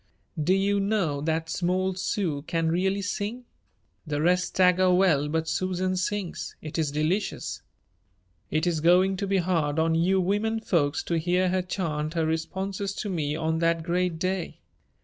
Do you know that small Sue can really sing? The rest stagger well but Susan sings. It is delicious. It is going to be hard on you women folks to hear her chant her responses to me on that great day."